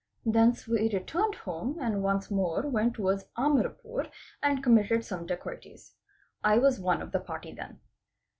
Thence we returned home and once more went towards Amarapur and committed some dacoities. I was one of the party then.